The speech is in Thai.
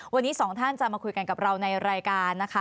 วันนี้สองท่านจะมาคุยกันกับเราในรายการนะคะ